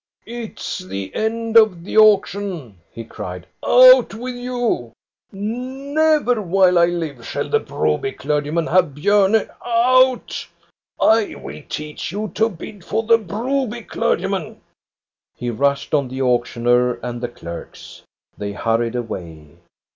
" It 's the end of the auction," he cried. " Out with you ! Never while I live shall the Broby clergyman have Bjorne. Out ! I will teach you to bid for the Broby clergyman !" He rushed on the auctioneer and the clerks. They hurried away.